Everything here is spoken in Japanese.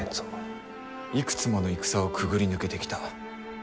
いくつもの戦をくぐり抜けてきた固い固い一丸。